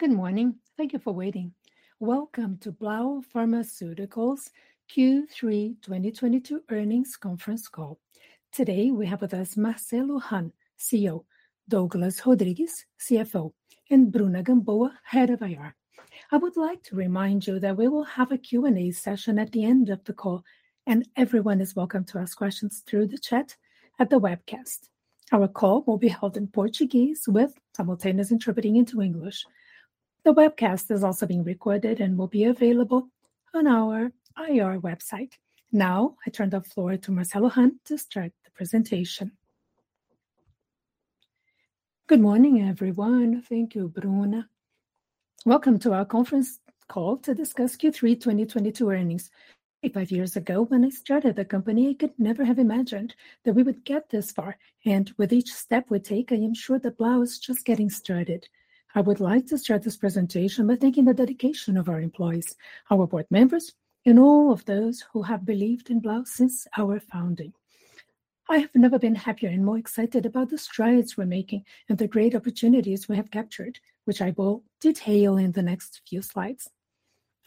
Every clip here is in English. Good morning. Thank you for waiting. Welcome to Blau Farmacêutica's Q3 2022 Earnings Conference Call. Today, we have with us Marcelo Hahn, CEO, Douglas Rodrigues, CFO, and Bruna Gamboa, Head of IR. I would like to remind you that we will have a Q&A session at the end of the call, and everyone is welcome to ask questions through the chat at the webcast. Our call will be held in Portuguese with simultaneous interpreting into English. The webcast is also being recorded and will be available on our IR website. Now, I turn the floor to Marcelo Hahn to start the presentation. Good morning, everyone. Thank you, Bruna. Welcome to our conference call to discuss Q3 2022 earnings. 85 years ago, when I started the company, I could never have imagined that we would get this far, and with each step we take, I am sure that Blau is just getting started. I would like to start this presentation by thanking the dedication of our employees, our board members, and all of those who have believed in Blau since our founding. I have never been happier and more excited about the strides we're making and the great opportunities we have captured, which I will detail in the next few slides.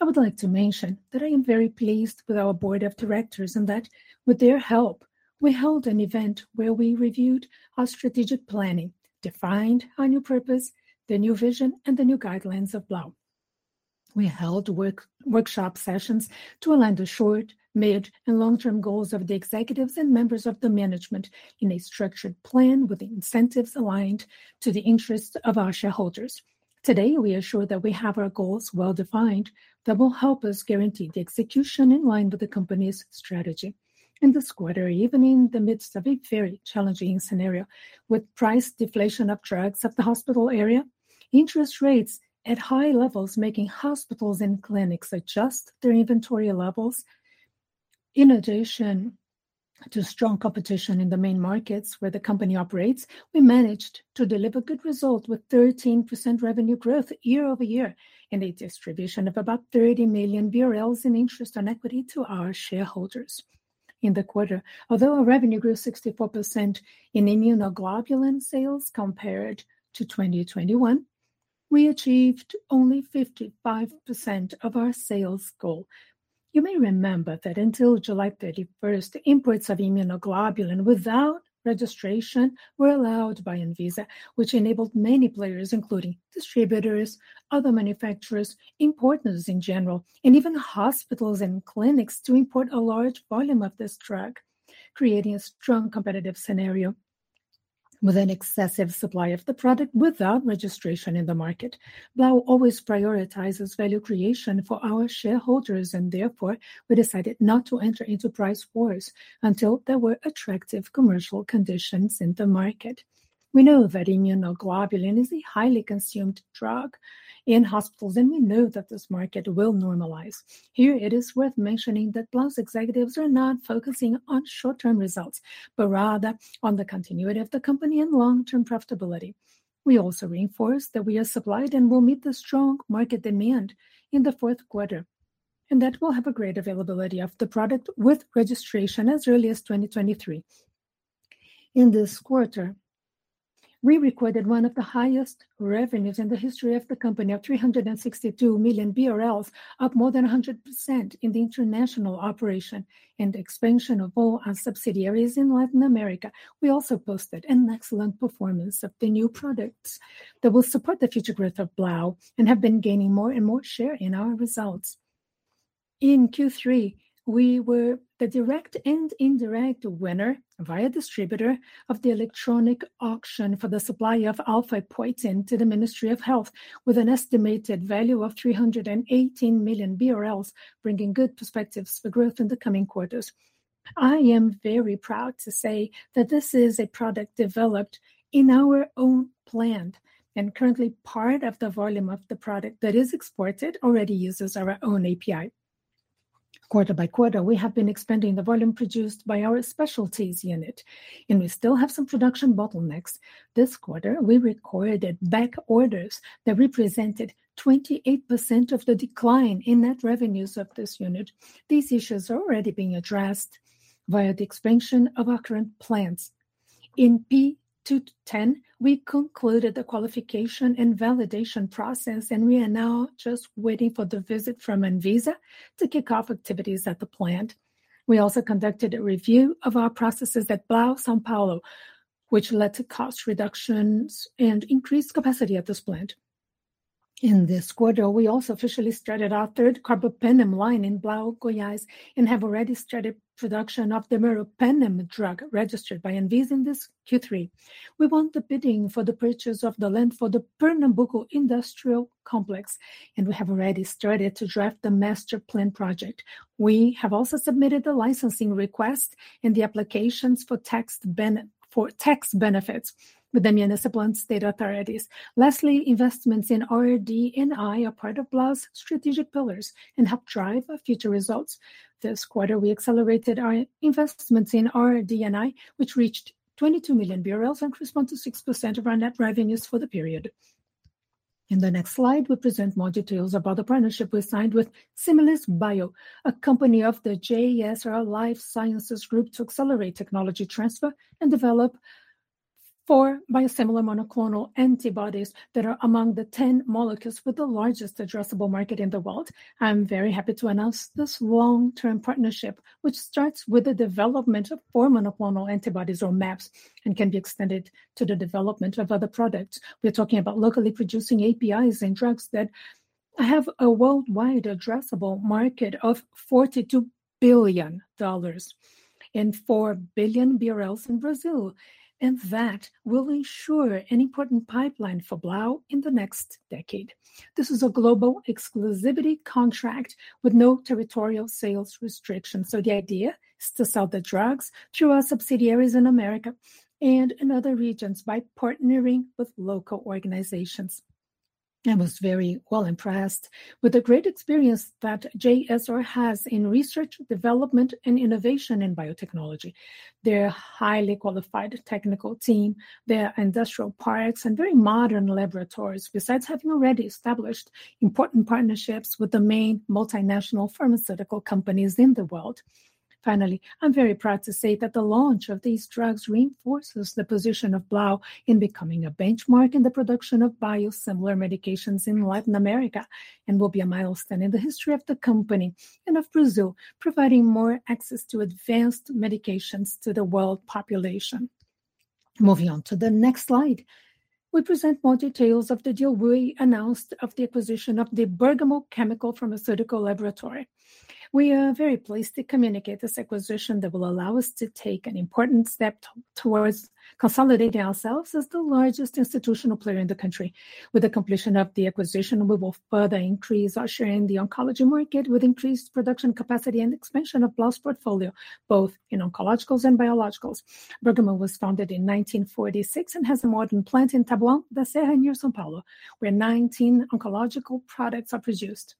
I would like to mention that I am very pleased with our board of directors and that with their help, we held an event where we reviewed our strategic planning, defined our new purpose, the new vision, and the new guidelines of Blau. We held workshop sessions to align the short, mid, and long-term goals of the executives and members of the management in a structured plan with the incentives aligned to the interest of our shareholders. Today, we are sure that we have our goals well-defined that will help us guarantee the execution in line with the company's strategy. In this quarter, even in the midst of a very challenging scenario with price deflation of drugs at the hospital area, interest rates at high levels, making hospitals and clinics adjust their inventory levels, in addition to strong competition in the main markets where the company operates, we managed to deliver good result with 13% revenue growth year-over-year and a distribution of about 30 million BRL in interest on equity to our shareholders. In the quarter, although our revenue grew 64% in Immunoglobulin sales compared to 2021, we achieved only 55% of our sales goal. You may remember that until July 31st, imports of Immunoglobulin without registration were allowed by Anvisa, which enabled many players, including distributors, other manufacturers, importers in general, and even hospitals and clinics to import a large volume of this drug, creating a strong competitive scenario with an excessive supply of the product without registration in the market. Blau always prioritizes value creation for our shareholders, and therefore, we decided not to enter into price wars until there were attractive commercial conditions in the market. We know that Immunoglobulin is a highly consumed drug in hospitals, and we know that this market will normalize. Here, it is worth mentioning that Blau's executives are not focusing on short-term results, but rather on the continuity of the company and long-term profitability. We also reinforce that we are supplied and will meet the strong market demand in the fourth quarter, and that we'll have a great availability of the product with registration as early as 2023. In this quarter, we recorded one of the highest revenues in the history of the company of 362 million BRL, up more than 100% in the international operation and expansion of all our subsidiaries in Latin America. We also posted an excellent performance of the new products that will support the future growth of Blau and have been gaining more and more share in our results. In Q3, we were the direct and indirect winner via distributor of the electronic auction for the supply of alfaepoetina to the Ministry of Health with an estimated value of 318 million BRL, bringing good perspectives for growth in the coming quarters. I am very proud to say that this is a product developed in our own plant and currently part of the volume of the product that is exported already uses our own API. Quarter by quarter, we have been expanding the volume produced by our specialties unit, and we still have some production bottlenecks. This quarter, we recorded back orders that represented 28% of the decline in net revenues of this unit. These issues are already being addressed via the expansion of our current plants. In P210, we concluded the qualification and validation process, and we are now just waiting for the visit from Anvisa to kick off activities at the plant. We also conducted a review of our processes at Blau São Paulo, which led to cost reductions and increased capacity at this plant. In this quarter, we also officially started our third carbapenem line in Blau Goiás and have already started production of the Meropenem drug registered by Anvisa in this Q3. We won the bidding for the purchase of the land for the Pernambuco industrial complex, and we have already started to draft the master plan project. We have also submitted the licensing request and the applications for tax benefits with the municipal and state authorities. Lastly, investments in RD&I are part of Blau's strategic pillars and help drive our future results. This quarter, we accelerated our investments in RD&I, which reached 22 million BRL and correspond to 6% of our net revenues for the period. In the next slide, we present more details about the partnership we signed with Similis Bio, a company of the JSR Life Sciences Group, to accelerate technology transfer and develop four biosimilar monoclonal antibodies that are among the 10 molecules with the largest addressable market in the world. I'm very happy to announce this long-term partnership, which starts with the development of four monoclonal antibodies or mAbs, and can be extended to the development of other products. We're talking about locally producing APIs and drugs that have a worldwide addressable market of $42 billion and 4 billion BRL in Brazil, and that will ensure an important pipeline for Blau in the next decade. This is a global exclusivity contract with no territorial sales restrictions, so the idea is to sell the drugs through our subsidiaries in America and in other regions by partnering with local organizations. I was very well impressed with the great experience that JSR has in research, development, and innovation in biotechnology, their highly qualified technical team, their industrial parks, and very modern laboratories, besides having already established important partnerships with the main multinational pharmaceutical companies in the world. Finally, I'm very proud to say that the launch of these drugs reinforces the position of Blau in becoming a benchmark in the production of biosimilar medications in Latin America, and will be a milestone in the history of the company and of Brazil, providing more access to advanced medications to the world population. Moving on to the next slide. We present more details of the deal we announced of the acquisition of the Bergamo Chemical Pharmaceutical Laboratory. We are very pleased to communicate this acquisition that will allow us to take an important step towards consolidating ourselves as the largest institutional player in the country. With the completion of the acquisition, we will further increase our share in the oncology market with increased production capacity and expansion of Blau's portfolio, both in oncologicals and biologicals. Bergamo was founded in 1946 and has a modern plant in Taboão da Serra near São Paulo, where 19 oncological products are produced.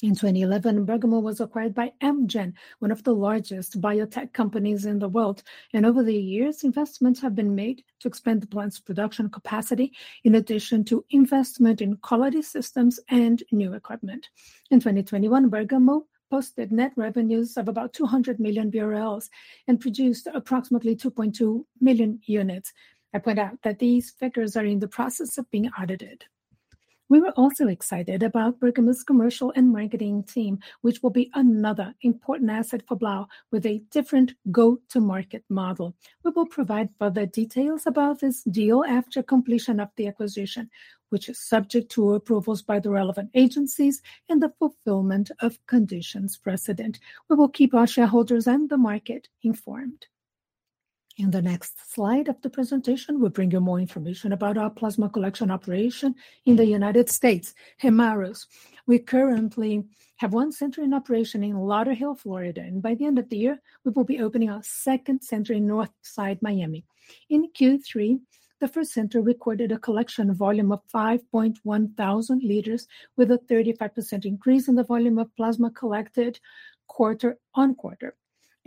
In 2011, Bergamo was acquired by Amgen, one of the largest biotech companies in the world, and over the years, investments have been made to expand the plant's production capacity in addition to investment in quality systems and new equipment. In 2021, Bergamo posted net revenues of about 200 million BRL and produced approximately 2.2 million units. I point out that these figures are in the process of being audited. We were also excited about Bergamo's commercial and marketing team, which will be another important asset for Blau with a different go-to-market model. We will provide further details about this deal after completion of the acquisition, which is subject to approvals by the relevant agencies and the fulfillment of conditions precedent. We will keep our shareholders and the market informed. In the next slide of the presentation, we'll bring you more information about our plasma collection operation in the United States, Hemarus. We currently have one center in operation in Lauderhill, Florida, and by the end of the year, we will be opening our second center in Northside, Miami. In Q3, the first center recorded a collection volume of 5,100 liters with a 35% increase in the volume of plasma collected quarter-over-quarter,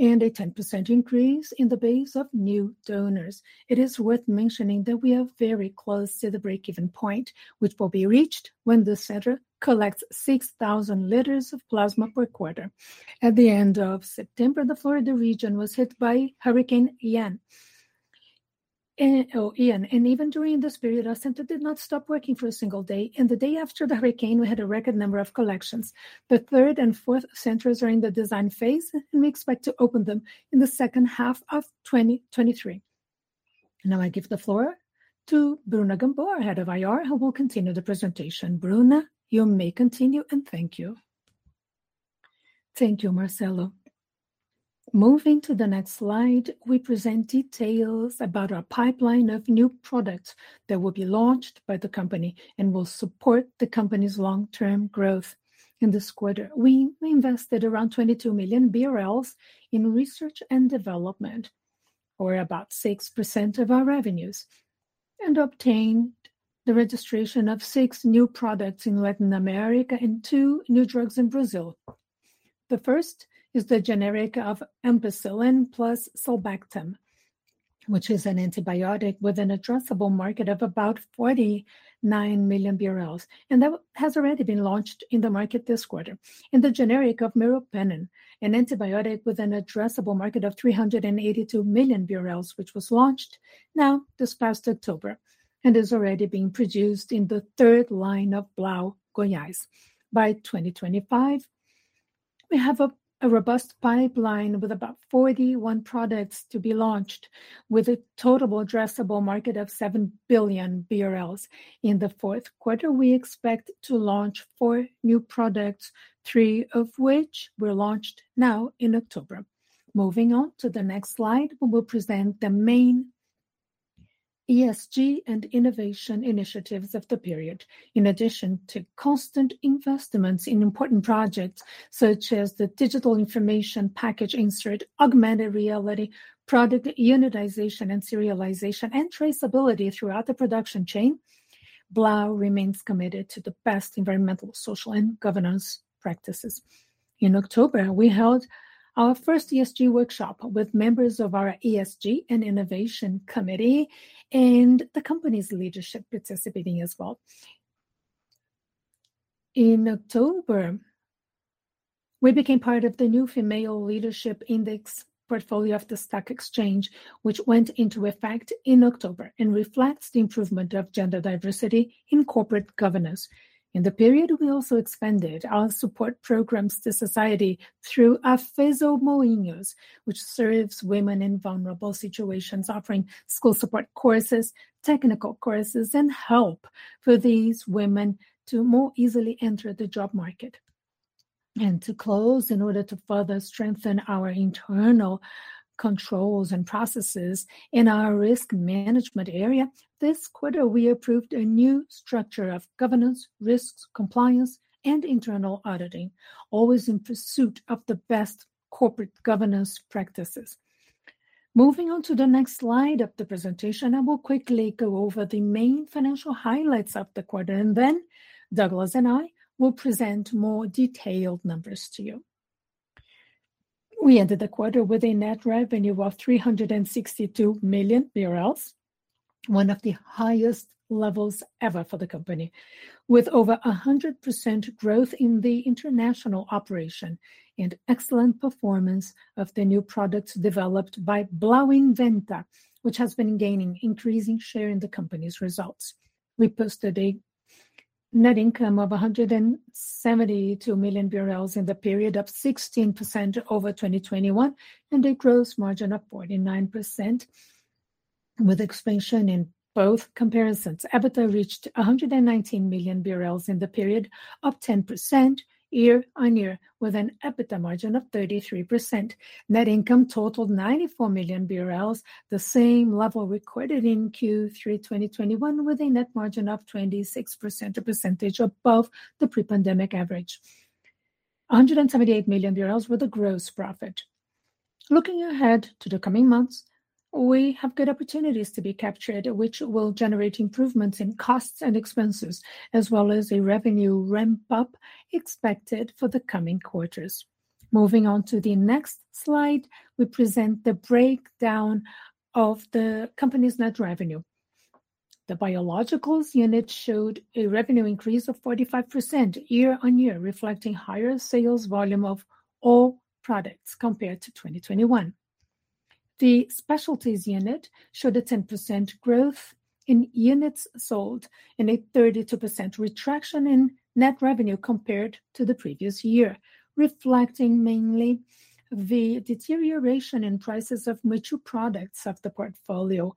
and a 10% increase in the base of new donors. It is worth mentioning that we are very close to the break-even point, which will be reached when the center collects 6,000 liters of plasma per quarter. At the end of September, the Florida region was hit by Hurricane Ian, and even during this period, our center did not stop working for a single day. The day after the hurricane, we had a record number of collections. The third and fourth centers are in the design phase, and we expect to open them in the second half of 2023. Now, I give the floor to Bruna Gamboa, our Head of IR, who will continue the presentation. Bruna, you may continue, and thank you. Thank you, Marcelo. Moving to the next slide, we present details about our pipeline of new products that will be launched by the company and will support the company's long-term growth. In this quarter, we invested around 22 million BRL in research and development, or about 6% of our revenues, and obtained the registration of six new products in Latin America and two new drugs in Brazil. The first is the generic of ampicillin plus sulbactam, which is an antibiotic with an addressable market of about 49 million BRL, and that has already been launched in the market this quarter. The generic of Meropenem, an antibiotic with an addressable market of 382 million BRL, which was launched now this past October and is already being produced in the third line of Blau Goiás. By 2025, we have a robust pipeline with about 41 products to be launched with a total addressable market of 7 billion BRL. In the fourth quarter, we expect to launch four new products, three of which were launched now in October. Moving on to the next slide, we will present the main ESG and innovation initiatives of the period. In addition to constant investments in important projects such as the digital information package insert, augmented reality, product unitization and serialization, and traceability throughout the production chain, Blau remains committed to the best environmental, social, and governance practices. In October, we held our first ESG workshop with members of our ESG and innovation committee and the company's leadership participating as well. In October, we became part of the new Female Leadership Index portfolio of the stock exchange, which went into effect in October and reflects the improvement of gender diversity in corporate governance. In the period, we also expanded our support programs to society through A Feira dos Moinhos, which serves women in vulnerable situations, offering school support courses, technical courses, and help for these women to more easily enter the job market. To close, in order to further strengthen our internal controls and processes in our risk management area, this quarter we approved a new structure of governance, risks, compliance, and internal auditing, always in pursuit of the best corporate governance practices. Moving on to the next slide of the presentation, I will quickly go over the main financial highlights of the quarter, and then Douglas and I will present more detailed numbers to you. We ended the quarter with a net revenue of BRL 362 million, one of the highest levels ever for the company, with over 100% growth in the international operation and excellent performance of the new products developed by Blau Inventta, which has been gaining increasing share in the company's results. We posted a net income of 172 million BRL in the period, up 16% over 2021, and a gross margin of 49%, with expansion in both comparisons. EBITDA reached 119 million BRL in the period, up 10% year-on-year, with an EBITDA margin of 33%. Net income totaled 94 million BRL, the same level recorded in Q3 2021, with a net margin of 26%, a percentage above the pre-pandemic average. BRL 178 million were the gross profit. Looking ahead to the coming months, we have good opportunities to be captured, which will generate improvements in costs and expenses, as well as a revenue ramp-up expected for the coming quarters. Moving on to the next slide, we present the breakdown of the company's net revenue. The Biologicals unit showed a revenue increase of 45% year-on-year, reflecting higher sales volume of all products compared to 2021. The Specialties unit showed a 10% growth in units sold and a 32% retraction in net revenue compared to the previous year, reflecting mainly the deterioration in prices of mature products of the portfolio.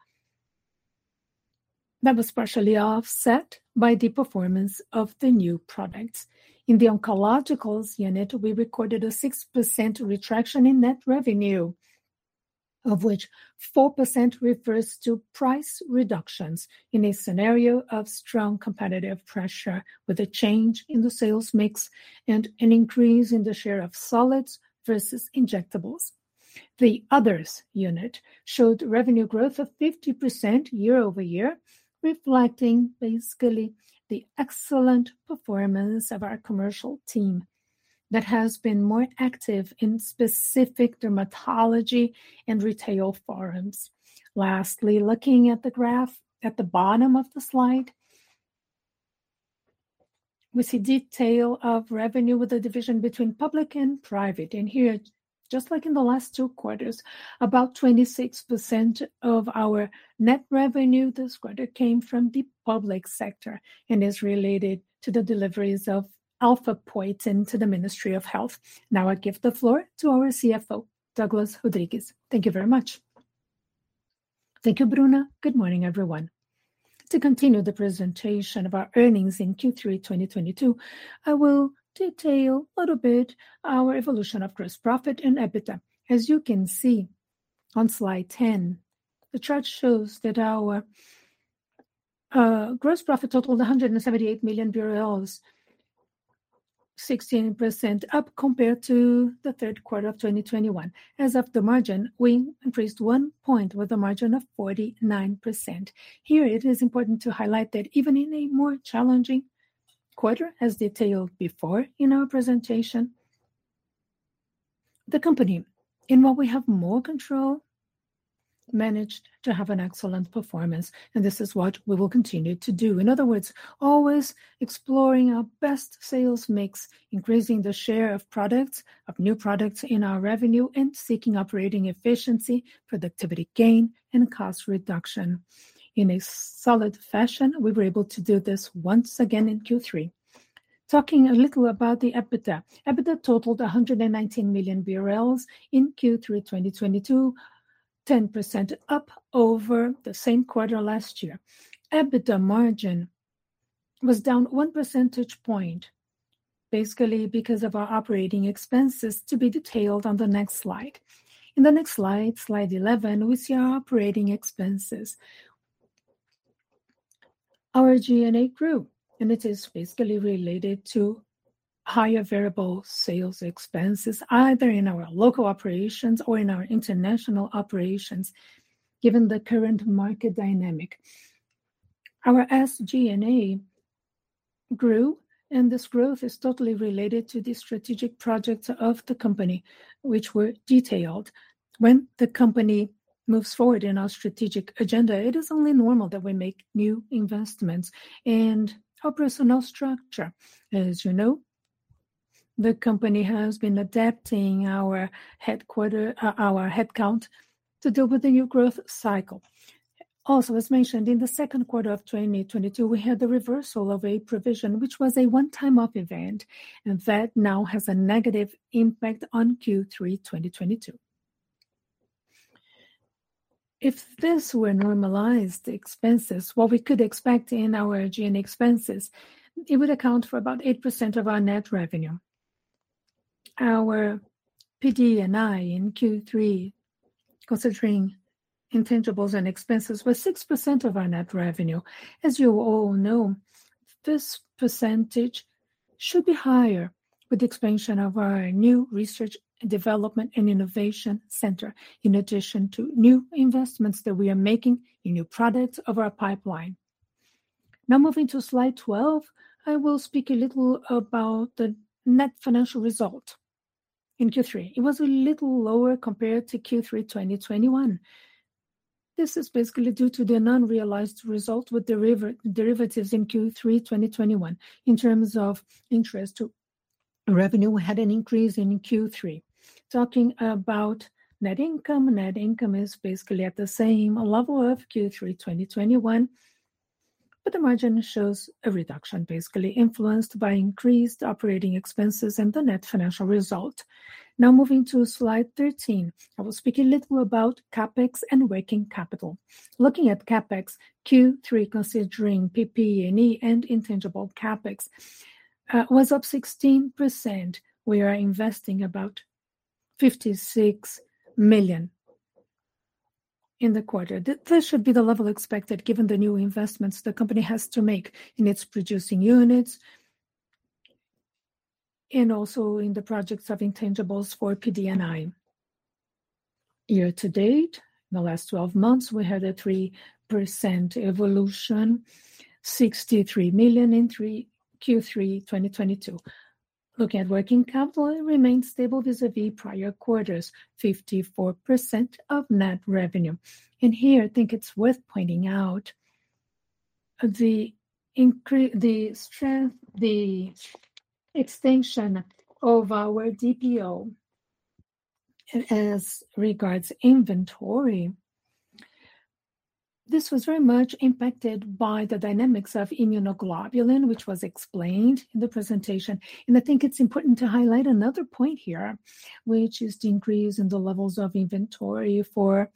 That was partially offset by the performance of the new products. In the Oncologicals unit, we recorded a 6% retraction in net revenue, of which 4% refers to price reductions in a scenario of strong competitive pressure with a change in the sales mix and an increase in the share of solids versus injectables. The Others unit showed revenue growth of 50% year-over-year, reflecting basically the excellent performance of our commercial team that has been more active in specific dermatology and retail forums. Lastly, looking at the graph at the bottom of the slide, we see detail of revenue with the division between public and private. Here, just like in the last two quarters, about 26% of our net revenue this quarter came from the public sector and is related to the deliveries of alfaepoetina into the Ministry of Health. Now I give the floor to our CFO, Douglas Rodrigues. Thank you very much. Thank you, Bruna. Good morning, everyone. To continue the presentation of our earnings in Q3 2022, I will detail a little bit our evolution of gross profit and EBITDA. As you can see on slide 10, the chart shows that our gross profit totaled 178 million BRL, 16% up compared to the third quarter of 2021. As of the margin, we increased one point with a margin of 49%. Here it is important to highlight that even in a more challenging quarter, as detailed before in our presentation, the company, in what we have more control, managed to have an excellent performance, and this is what we will continue to do. In other words, always exploring our best sales mix, increasing the share of products, of new products in our revenue, and seeking operating efficiency, productivity gain, and cost reduction. In a solid fashion, we were able to do this once again in Q3. Talking a little about the EBITDA. EBITDA totaled 119 million BRL in Q3 2022, 10% up over the same quarter last year. EBITDA margin was down one percentage point, basically because of our operating expenses to be detailed on the next slide. In the next slide 11, we see our operating expenses. Our G&A grew, and it is basically related to higher variable sales expenses, either in our local operations or in our international operations, given the current market dynamic. Our SG&A grew, and this growth is totally related to the strategic projects of the company, which were detailed. When the company moves forward in our strategic agenda, it is only normal that we make new investments and our personnel structure. As you know, the company has been adapting our headcount to deal with the new growth cycle. Also, as mentioned, in the second quarter of 2022, we had the reversal of a provision, which was a one-off event, and that now has a negative impact on Q3 2022. If this were normalized expenses, what we could expect in our G&A expenses, it would account for about 8% of our net revenue. Our PD&I in Q3, considering intangibles and expenses, was 6% of our net revenue. As you all know, this percentage should be higher with the expansion of our new research and development and innovation center, in addition to new investments that we are making in new products of our pipeline. Now moving to slide 12, I will speak a little about the net financial result in Q3. It was a little lower compared to Q3 2021. This is basically due to the unrealized result with derivatives in Q3 2021. In terms of interest, revenue had an increase in Q3. Talking about net income, net income is basically at the same level of Q3 2021, but the margin shows a reduction, basically influenced by increased operating expenses and the net financial result. Now moving to slide 13, I will speak a little about CapEx and working capital. Looking at CapEx, Q3 considering PP&E and intangible CapEx was up 16%. We are investing about 56 million in the quarter. This should be the level expected given the new investments the company has to make in its producing units and also in the projects of intangibles for PD&I. Year-to-date, in the last twelve months, we had a 3% evolution, 63 million in Q3 2022. Looking at working capital, it remains stable vis-a-vis prior quarters, 54% of net revenue. Here, I think it's worth pointing out the extension of our DPO as regards inventory. This was very much impacted by the dynamics of immunoglobulin, which was explained in the presentation. I think it's important to highlight another point here, which is the increase in the levels of inventory for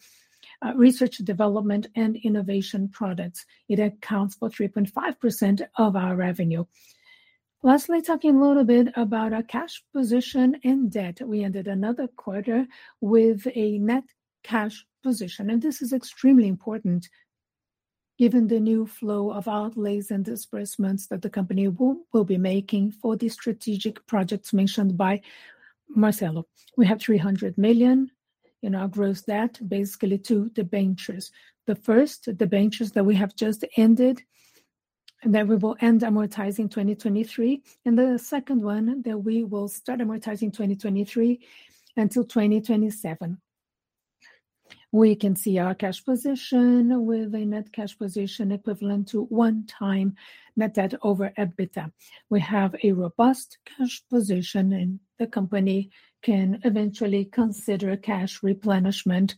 research, development, and innovation products. It accounts for 3.5% of our revenue. Lastly, talking a little bit about our cash position and debt. We ended another quarter with a net cash position, and this is extremely important given the new flow of outlays and disbursements that the company will be making for the strategic projects mentioned by Marcelo. We have 300 million in our gross debt, basically to debentures. The first debentures that we have just ended, and then we will end amortizing 2023. The second one that we will start amortizing 2023 until 2027. We can see our cash position with a net cash position equivalent to 1 time net debt over EBITDA. We have a robust cash position, and the company can eventually consider cash replenishment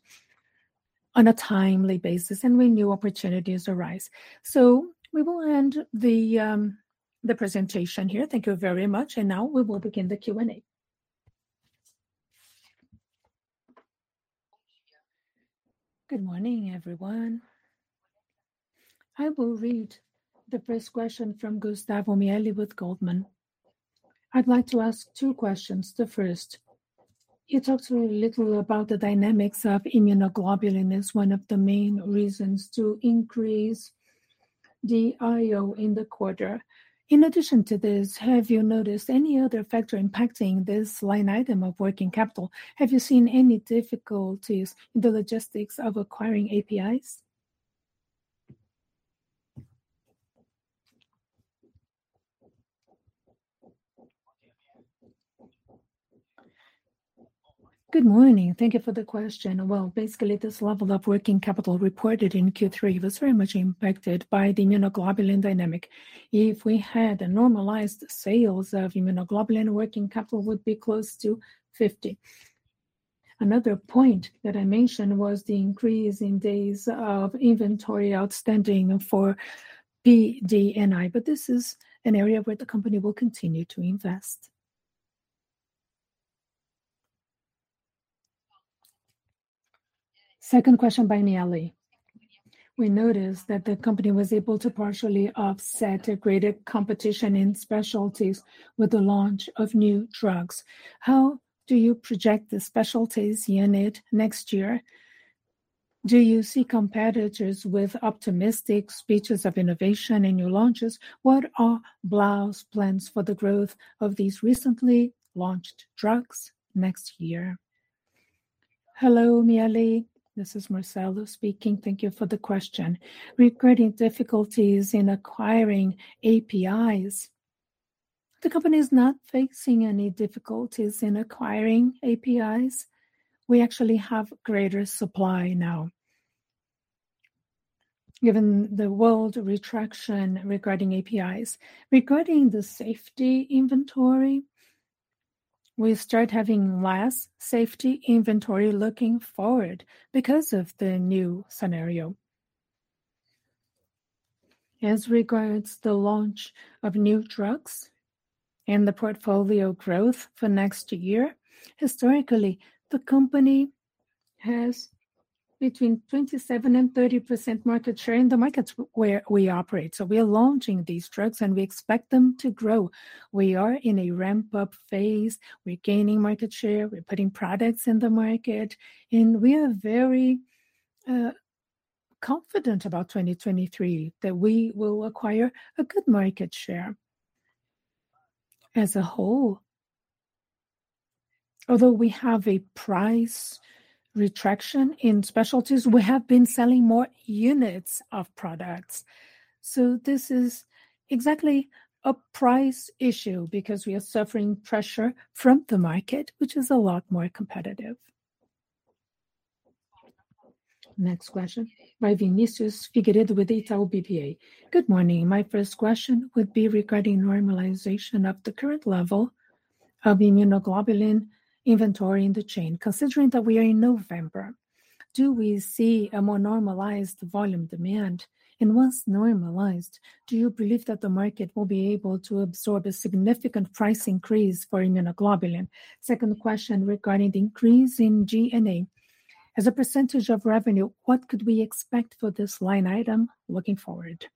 on a timely basis and when new opportunities arise. We will end the presentation here. Thank you very much. Now we will begin the Q&A. Good morning, everyone. I will read the first question from Gustavo Miele with Goldman Sachs. I'd like to ask two questions. The first, you talked a little about the dynamics of immunoglobulin as one of the main reasons to increase the DIO in the quarter. In addition to this, have you noticed any other factor impacting this line item of working capital? Have you seen any difficulties in the logistics of acquiring APIs? Good morning. Thank you for the question. Well, basically, this level of working capital reported in Q3 was very much impacted by the immunoglobulin dynamic. If we had normalized sales of immunoglobulin, working capital would be close to 50. Another point that I mentioned was the increase in days of inventory outstanding for PD&I, but this is an area where the company will continue to invest. Second question by Miele. We noticed that the company was able to partially offset a greater competition in specialties with the launch of new drugs. How do you project the specialties unit next year? Do you see competitors with optimistic speeches of innovation and new launches? What are Blau's plans for the growth of these recently launched drugs next year? Hello, Miele. This is Marcelo speaking. Thank you for the question. Regarding difficulties in acquiring APIs, the company is not facing any difficulties in acquiring APIs. We actually have greater supply now. Given the world restriction regarding APIs. Regarding the safety inventory, we start having less safety inventory looking forward because of the new scenario. As regards the launch of new drugs and the portfolio growth for next year, historically, the company has between 27% and 30% market share in the markets where we operate. We are launching these drugs, and we expect them to grow. We are in a ramp-up phase. We're gaining market share, we're putting products in the market, and we are very confident about 2023 that we will acquire a good market share. As a whole, although we have a price retraction in specialties, we have been selling more units of products. This is exactly a price issue because we are suffering pressure from the market, which is a lot more competitive. Next question by Vinicius Figueiredo with Itaú BBA. Good morning. My first question would be regarding normalization of the current level of Immunoglobulin inventory in the chain. Considering that we are in November, do we see a more normalized volume demand? And once normalized, do you believe that the market will be able to absorb a significant price increase for Immunoglobulin? Second question regarding the increase in G&A. As a percentage of revenue, what could we expect for this line item looking forward?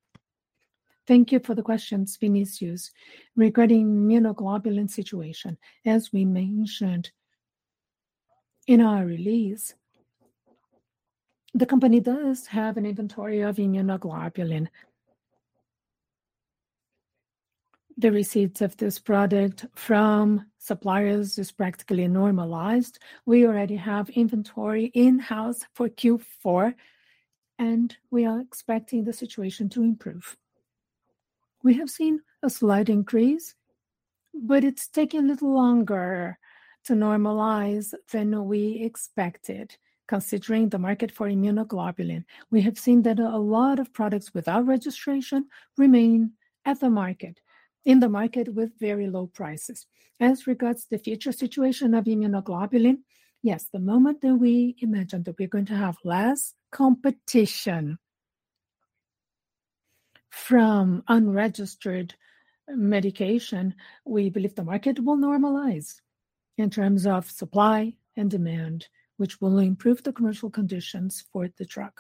Thank you for the questions, Vinicius. Regarding immunoglobulin situation, as we mentioned in our release, the company does have an inventory of immunoglobulin. The receipts of this product from suppliers is practically normalized. We already have inventory in-house for Q4, and we are expecting the situation to improve. We have seen a slight increase, but it's taking a little longer to normalize than we expected, considering the market for immunoglobulin. We have seen that a lot of products without registration remain in the market with very low prices. As regards to the future situation of immunoglobulin, yes, the moment that we imagine that we're going to have less competition from unregistered medication, we believe the market will normalize in terms of supply and demand, which will improve the commercial conditions for the drug.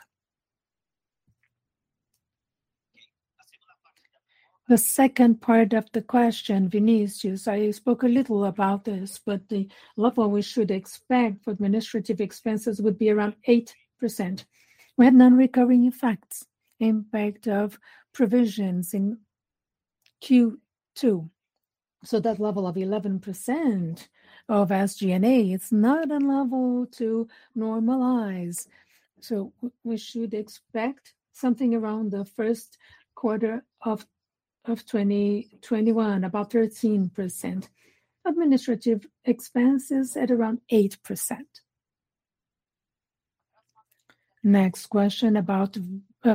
The second part of the question, Vinicius, I spoke a little about this, but the level we should expect for administrative expenses would be around 8%. We had non-recurring effects, impact of provisions in Q2. That level of 11% of SG&A, it's not a level to normalize. We should expect something around the first quarter of 2021, about 13%. Administrative expenses at around 8%. Next question about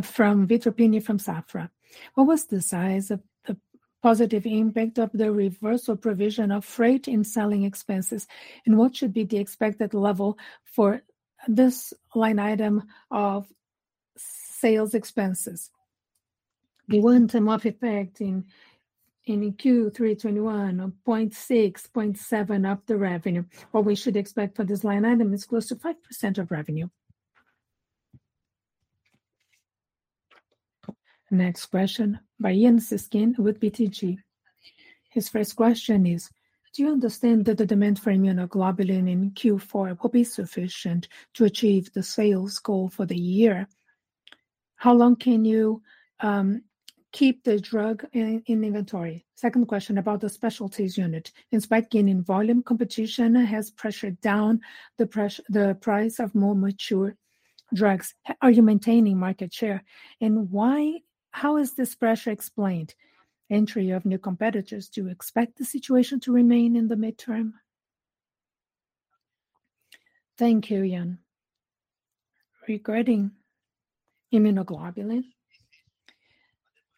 from Vitor Pini from Safra. What was the size of the positive impact of the reversal provision of freight in selling expenses, and what should be the expected level for this line item of sales expenses? The one-time effect in Q3 2021 of 0.6%-0.7% of the revenue. What we should expect for this line item is close to 5% of revenue. Next question by Ian Seskin with BTG. His first question is, do you understand that the demand for Immunoglobulin in Q4 will be sufficient to achieve the sales goal for the year? How long can you keep the drug in inventory? Second question about the specialties unit. In spite of gaining volume, competition has pressured down the price of more mature drugs. Are you maintaining market share? How is this pressure explained? Entry of new competitors, do you expect the situation to remain in the midterm? Thank you, Ian. Regarding immunoglobulin,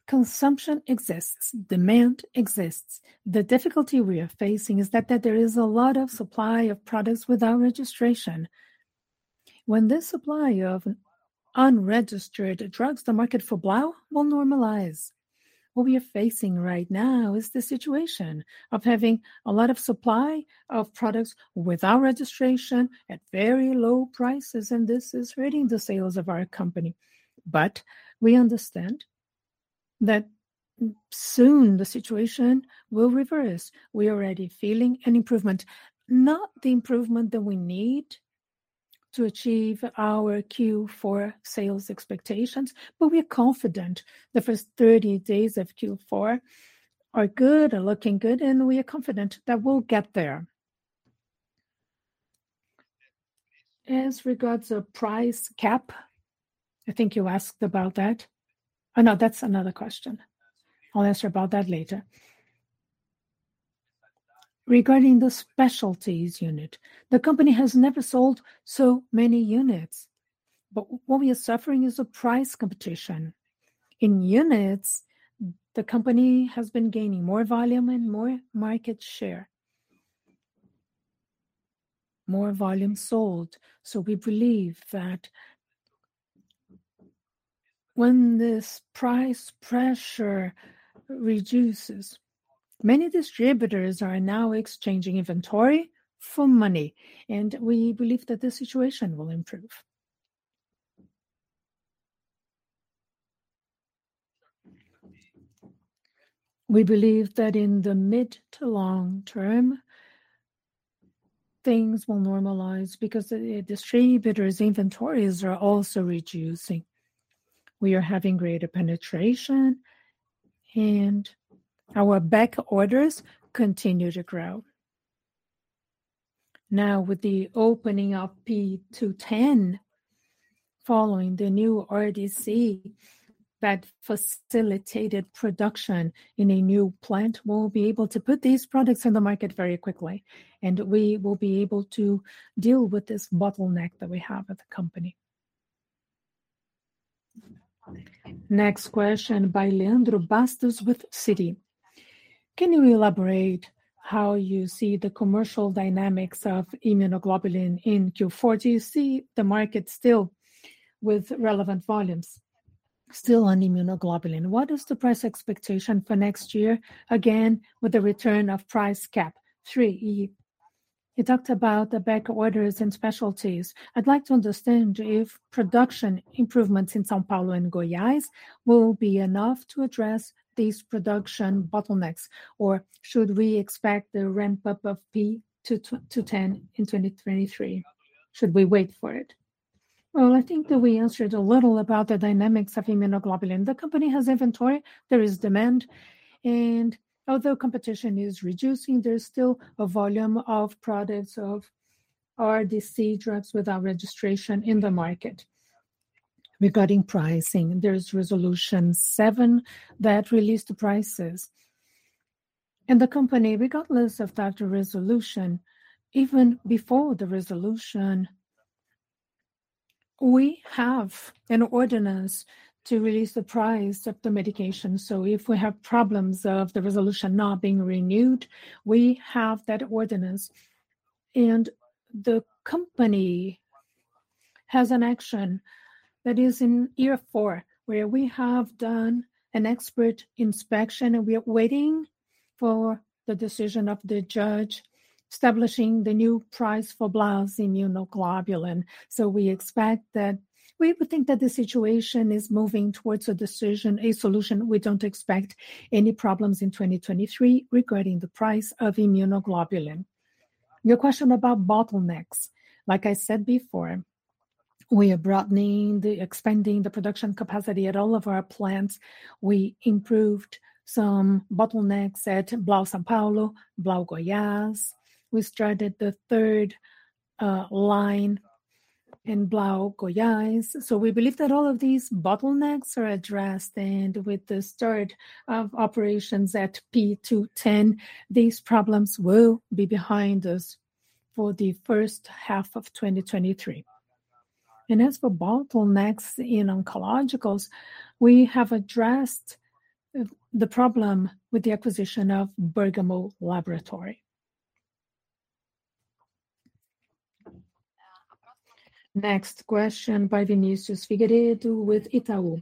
consumption exists, demand exists. The difficulty we are facing is that there is a lot of supply of products without registration. When this supply of unregistered drugs, the market for Blau will normalize. What we are facing right now is the situation of having a lot of supply of products without registration at very low prices, and this is hurting the sales of our company. We understand that soon the situation will reverse. We're already feeling an improvement, not the improvement that we need to achieve our Q4 sales expectations, but we're confident. The first 30 days of Q4 are good or looking good, and we are confident that we'll get there. As regards a price cap, I think you asked about that. Oh, no, that's another question. I'll answer about that later. Regarding the specialties unit, the company has never sold so many units. What we are suffering is a price competition. In units, the company has been gaining more volume and more market share. More volume sold. We believe that when this price pressure reduces, many distributors are now exchanging inventory for money, and we believe that the situation will improve. We believe that in the mid to long-term, things will normalize because the distributors' inventories are also reducing. We are having greater penetration, and our back orders continue to grow. Now, with the opening of P210 following the new RDC that facilitated production in a new plant, we'll be able to put these products in the market very quickly, and we will be able to deal with this bottleneck that we have at the company. Next question by Leandro Bastos with Citi. Can you elaborate how you see the commercial dynamics of immunoglobulin in Q4? Do you see the market still with relevant volumes still on immunoglobulin? What is the price expectation for next year, again, with the return of price cap? Three, you talked about the back orders and specialties. I'd like to understand if production improvements in São Paulo and Goiás will be enough to address these production bottlenecks, or should we expect a ramp-up of P210 in 2023? Should we wait for it? Well, I think that we answered a little about the dynamics of immunoglobulin. The company has inventory. There is demand. Although competition is reducing, there's still a volume of products of RDC drugs without registration in the market. Regarding pricing, there's Resolution 7 that released prices. The company, regardless of that resolution, even before the resolution, we have an ordinance to release the price of the medication. If we have problems of the resolution not being renewed, we have that ordinance. The company has an action that is in year four, where we have done an expert inspection, and we are waiting for the decision of the judge establishing the new price for Blau's immunoglobulin. We expect that. We would think that the situation is moving towards a decision, a solution. We don't expect any problems in 2023 regarding the price of immunoglobulin. Your question about bottlenecks, like I said before, we are broadening, expanding the production capacity at all of our plants. We improved some bottlenecks at Blau São Paulo, Blau Goiás. We started the third line in Blau Goiás. We believe that all of these bottlenecks are addressed, and with the start of operations at P210, these problems will be behind us for the first half of 2023. As for bottlenecks in oncologicals, we have addressed the problem with the acquisition of Bergamo. Next question by Vinicius Figueiredo with Itaú.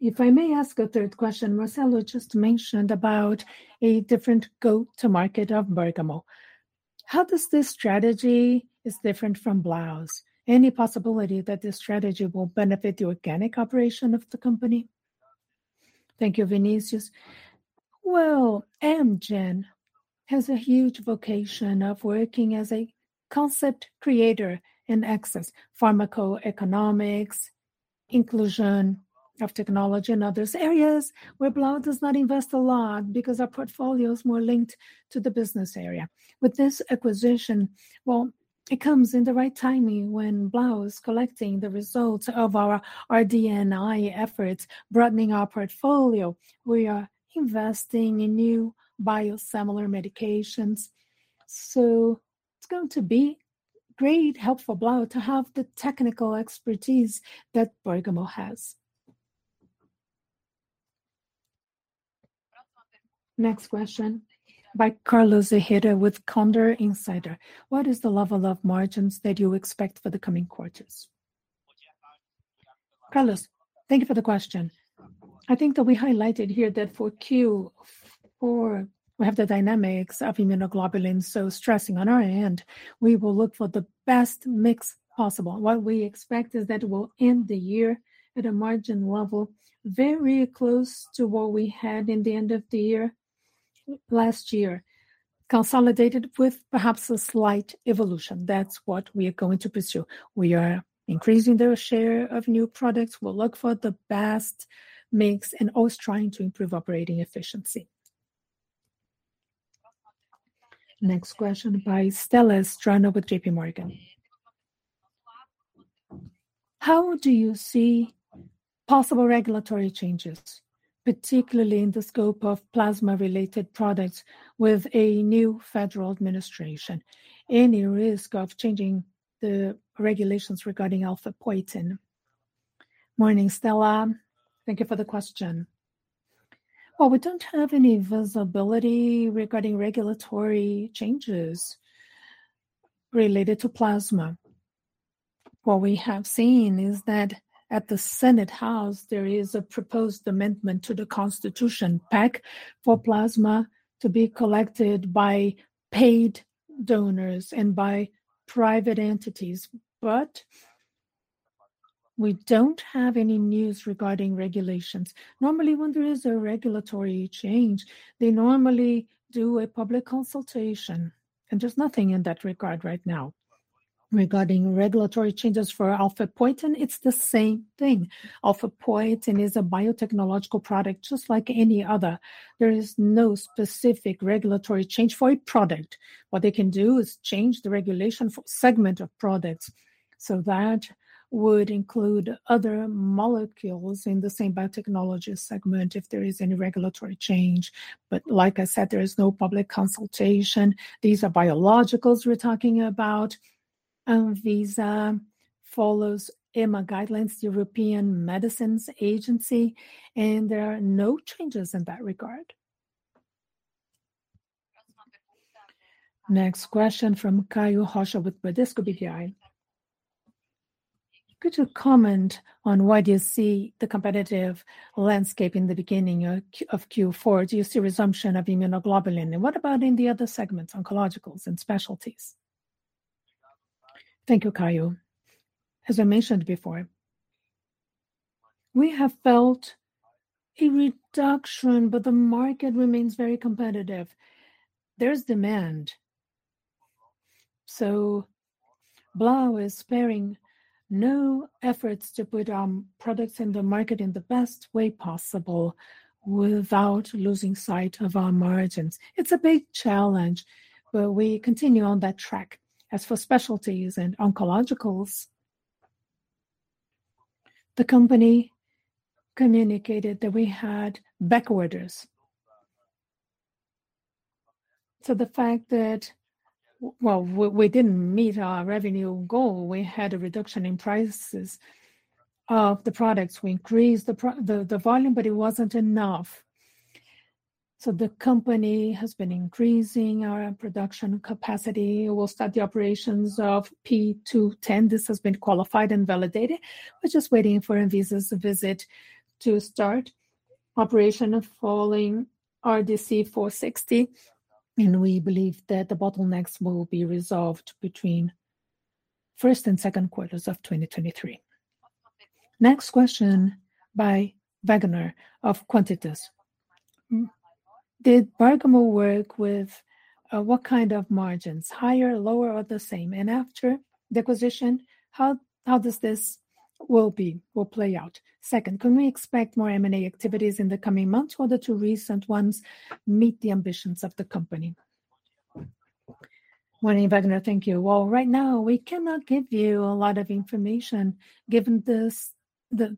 If I may ask a third question, Marcelo just mentioned about a different go-to-market of Bergamo. How does this strategy is different from Blau's? Any possibility that this strategy will benefit the organic operation of the company? Thank you, Vinícius. Well, Amgen has a huge vocation of working as a concept creator in access, pharmacoeconomics, inclusion of technology and other areas where Blau does not invest a lot because our portfolio is more linked to the business area. With this acquisition, well, it comes in the right timing when Blau is collecting the results of our RD&I efforts, broadening our portfolio. We are investing in new biosimilar medications. It's going to be great help for Blau to have the technical expertise that Bergamo has. Next question by Carlos Ojeda with Condor Insider. What is the level of margins that you expect for the coming quarters? Carlos, thank you for the question. I think that we highlighted here that for Q4, we have the dynamics of immunoglobulin so stressing on our end. We will look for the best mix possible. What we expect is that we'll end the year at a margin level very close to what we had in the end of the year, last year, consolidated with perhaps a slight evolution. That's what we are going to pursue. We are increasing the share of new products. We'll look for the best mix and always trying to improve operating efficiency. Next question by Stella Strano with J.P. Morgan. How do you see possible regulatory changes, particularly in the scope of plasma-related products with a new federal administration? Any risk of changing the regulations regarding alfaepoetina? Morning, Stella. Thank you for the question. Well, we don't have any visibility regarding regulatory changes related to plasma. What we have seen is that at the Senate House, there is a proposed amendment to the Constitution PEC for plasma to be collected by paid donors and by private entities. But we don't have any news regarding regulations. Normally, when there is a regulatory change, they normally do a public consultation, and there's nothing in that regard right now. Regarding regulatory changes for alfaepoetina, it's the same thing. Alfaepoetina is a biotechnological product just like any other. There is no specific regulatory change for a product. What they can do is change the regulation for segment of products, so that would include other molecules in the same biotechnology segment if there is any regulatory change. Like I said, there is no public consultation. These are biologicals we're talking about, and these follows EMA guidelines, European Medicines Agency, and there are no changes in that regard. Next question from Caio Rocha with Bradesco BBI. Could you comment on why do you see the competitive landscape in the beginning of Q4? Do you see resumption of Immunoglobulin? And what about in the other segments, oncologicals and specialties? Thank you, Caio. As I mentioned before, we have felt a reduction, but the market remains very competitive. There is demand, so Blau is sparing no efforts to put products in the market in the best way possible without losing sight of our margins. It's a big challenge, but we continue on that track. As for specialties and oncologicals, the company communicated that we had back orders. The fact that, well, we didn't meet our revenue goal. We had a reduction in prices of the products. We increased the volume, but it wasn't enough. The company has been increasing our production capacity. We'll start the operations of P210. This has been qualified and validated. We're just waiting for Anvisa's visit to start operation of following RDC 460, and we believe that the bottlenecks will be resolved between first and second quarters of 2023. Next question by Wagner of Quantitas. Did Bergamo work with what kind of margins, higher, lower, or the same? After the acquisition, how will this play out? Second, can we expect more M&A activities in the coming months, or the two recent ones meet the ambitions of the company? Morning, Wagner. Thank you. Well, right now we cannot give you a lot of information given this, the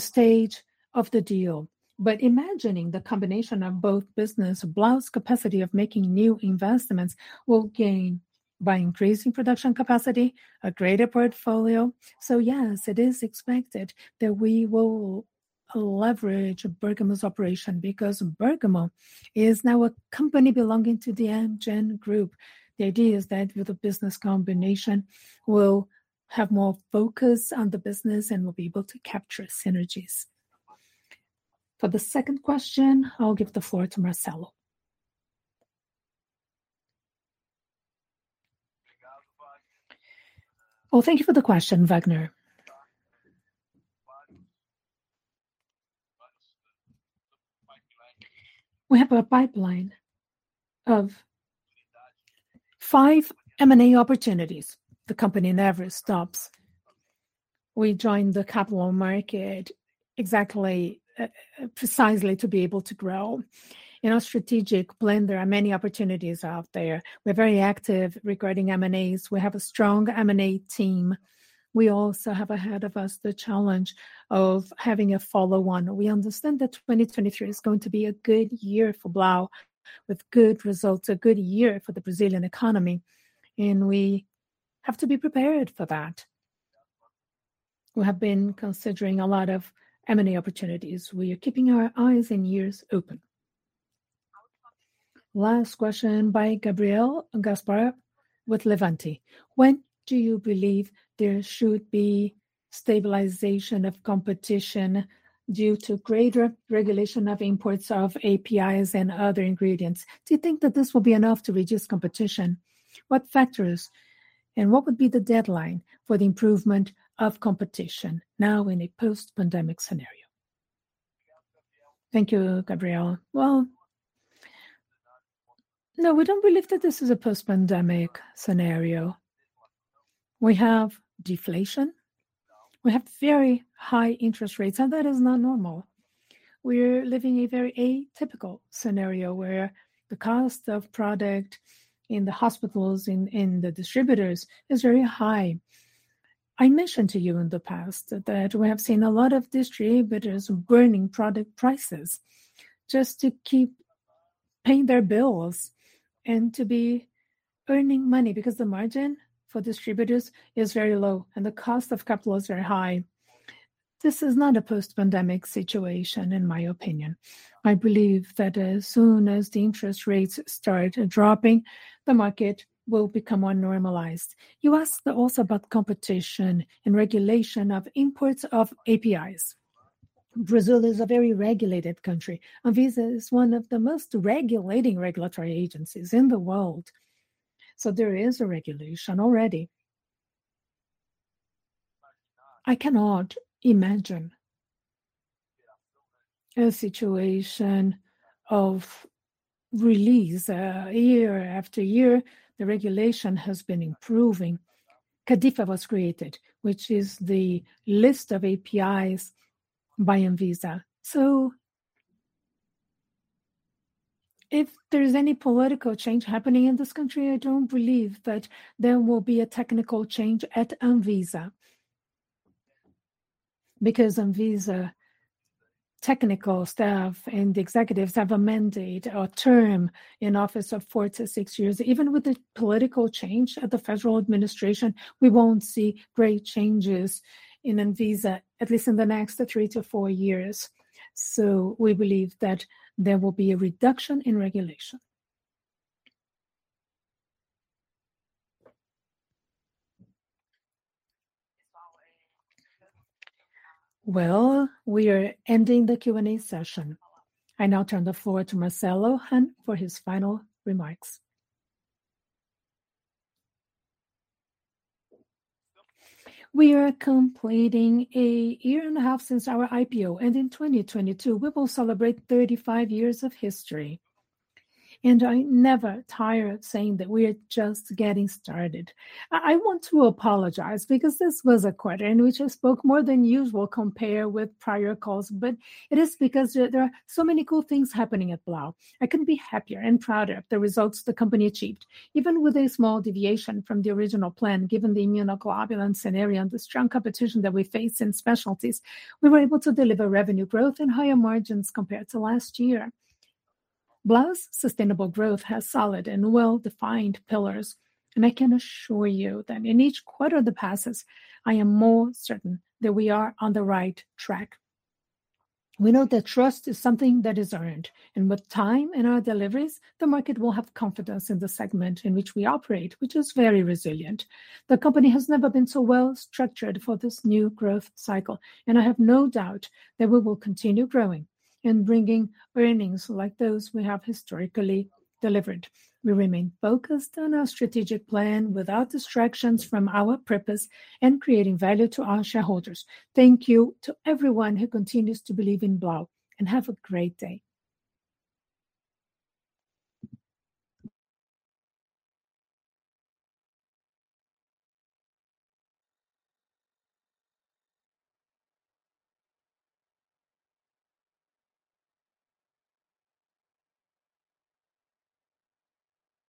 stage of the deal. Imagining the combination of both business, Blau's capacity of making new investments will gain by increasing production capacity, a greater portfolio. Yes, it is expected that we will leverage Bergamo's operation because Bergamo is now a company belonging to the Amgen group. The idea is that with the business combination, we'll have more focus on the business and we'll be able to capture synergies. For the second question, I'll give the floor to Marcelo. Well, thank you for the question, Wagner. We have a pipeline of five M&A opportunities. The company never stops. We joined the capital market exactly, precisely to be able to grow. In our strategic plan, there are many opportunities out there. We're very active regarding M&As. We have a strong M&A team. We also have ahead of us the challenge of having a follow-on. We understand that 2023 is going to be a good year for Blau with good results, a good year for the Brazilian economy, and we have to be prepared for that. We have been considering a lot of M&A opportunities. We are keeping our eyes and ears open. Last question by Gabriel Gaspar with Levante. When do you believe there should be stabilization of competition due to greater regulation of imports of APIs and other ingredients? Do you think that this will be enough to reduce competition? What factors, and what would be the deadline for the improvement of competition now in a post-pandemic scenario? Thank you, Gabriel. Well, no, we don't believe that this is a post-pandemic scenario. We have deflation, we have very high interest rates, and that is not normal. We're living a very atypical scenario where the cost of product in the hospitals, in the distributors is very high. I mentioned to you in the past that we have seen a lot of distributors burning product prices just to keep paying their bills and to be earning money because the margin for distributors is very low and the cost of capital is very high. This is not a post-pandemic situation in my opinion. I believe that as soon as the interest rates start dropping, the market will become more normalized. You asked also about competition and regulation of imports of APIs. Brazil is a very regulated country. Anvisa is one of the most regulating regulatory agencies in the world, so there is a regulation already. I cannot imagine a situation of release. Year-after-year, the regulation has been improving. CADIFA was created, which is the list of APIs by Anvisa. If there is any political change happening in this country, I don't believe that there will be a technical change at Anvisa because Anvisa technical staff and executives have a mandate or term in office of four to six years. Even with the political change at the federal administration, we won't see great changes in Anvisa, at least in the next three to four years. We believe that there will be a reduction in regulation. Well, we are ending the Q&A session. I now turn the floor to Marcelo for his final remarks. We are completing a year and a half since our IPO, and in 2022 we will celebrate 35 years of history. I never tire saying that we are just getting started. I want to apologize because this was a quarter in which I spoke more than usual compared with prior calls, but it is because there are so many cool things happening at Blau. I couldn't be happier and prouder of the results the company achieved. Even with a small deviation from the original plan, given the Immunoglobulin scenario and the strong competition that we face in specialties, we were able to deliver revenue growth and higher margins compared to last year. Blau's sustainable growth has solid and well-defined pillars, and I can assure you that in each quarter that passes, I am more certain that we are on the right track. We know that trust is something that is earned, and with time and our deliveries, the market will have confidence in the segment in which we operate, which is very resilient. The company has never been so well structured for this new growth cycle, and I have no doubt that we will continue growing and bringing earnings like those we have historically delivered. We remain focused on our strategic plan without distractions from our purpose and creating value to our shareholders. Thank you to everyone who continues to believe in Blau, and have a great day.